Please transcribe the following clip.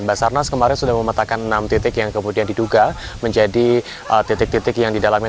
basarnas kemarin sudah memetakan enam titik yang kemudian diduga menjadi titik titik yang didalami